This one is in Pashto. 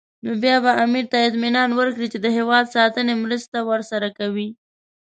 نو بیا به امیر ته اطمینان ورکړي چې د هېواد ساتنې مرسته ورسره کوي.